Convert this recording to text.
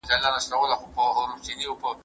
قرآن کریم د ژوند حق په بشپړ ډول روښانه کړی دی.